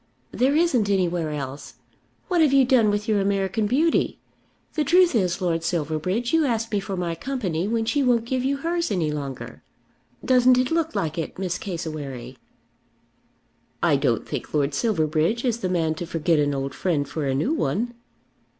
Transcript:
"There isn't anywhere else. What have you done with your American beauty? The truth is, Lord Silverbridge, you ask me for my company when she won't give you hers any longer. Doesn't it look like it, Miss Cassewary?" "I don't think Lord Silverbridge is the man to forget an old friend for a new one."